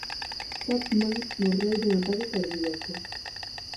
Chapman morreu dun ataque cardíaco.